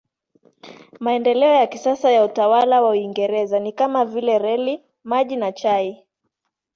Maendeleo ya kisasa ya utawala wa Uingereza ni kama vile reli, maji na chai.